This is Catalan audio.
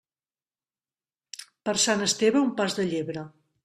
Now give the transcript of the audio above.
Per Sant Esteve, un pas de llebre.